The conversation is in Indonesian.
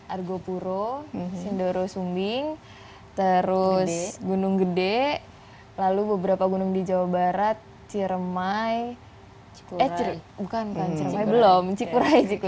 argo puro sendoro sumbing gunung gede lalu beberapa gunung di jawa barat ciremai cikurai